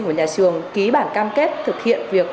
của nhà trường ký bản cam kết thực hiện việc